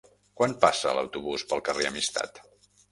Quan passa l'autobús pel carrer Amistat?